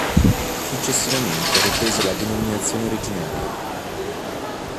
Successivamente riprese la denominazione originaria.